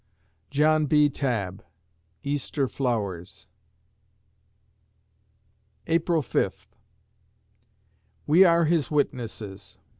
JOHN B. TABB ("Easter Flowers") April Fifth We are His witnesses.